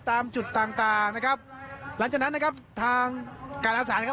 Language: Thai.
ตามจุดต่างต่างนะครับหลังจากนั้นนะครับทางการอาสารครับ